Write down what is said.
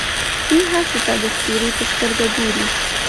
دوی هر څه ته د اسطورې په سترګه ګوري.